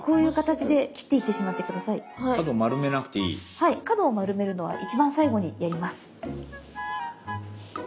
はい角を丸めるのは一番最後にやります。